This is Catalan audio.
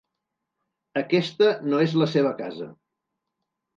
Aquesta no és la seva casa.